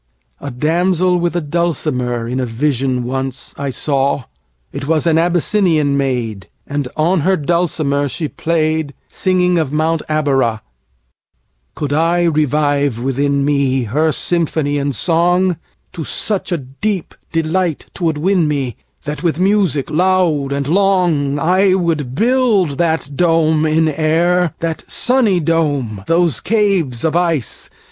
A damsel with a dulcimerIn a vision once I saw:It was an Abyssinian maid, And on her dulcimer she played, Singing of Mount Abora.Could I revive within meHer symphony and song, To such a deep delight 'twould win me, That with music loud and long,I would build that done in air, That sunny dome! those caves of ice!